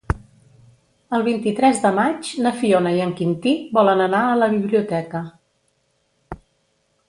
El vint-i-tres de maig na Fiona i en Quintí volen anar a la biblioteca.